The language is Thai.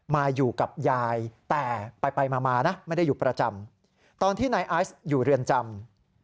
มาอยู่กับยายแต่ไปมานะไม่ได้อยู่ประจำตอนที่นายไอซ์อยู่เรือนจำ